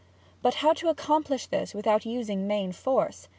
But how accomplish this without using main force?